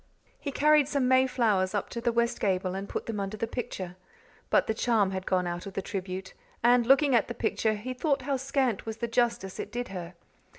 He carried some mayflowers up to the west gable and put them under the picture. But the charm had gone out of the tribute; and looking at the picture, he thought how scant was the justice it did her.